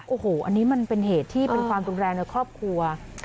โอ้โหอันนี้มันเป็นเหตุที่เป็นความรุนแรงในครอบครัว